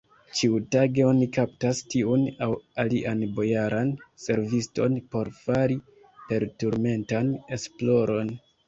Ĉiutage oni kaptas tiun aŭ alian bojaran serviston por fari perturmentan esploron.